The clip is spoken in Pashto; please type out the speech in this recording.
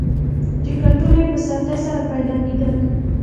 ټکټونه یې په سختۍ سره پیدا کېدل.